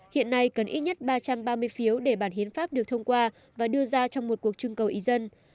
hiện nay cần ít nhất ba trăm ba mươi phiếu để bản hiến pháp được thông qua và đưa ra trong một cuộc trưng cầu ý dân